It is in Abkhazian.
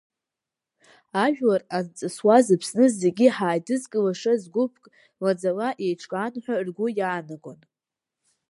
Ажәлар анҵысуаз Аԥсны зегьы ҳааидызкылашаз гәыԥк маӡала еиҿкаан ҳәа ргәы иаанагон.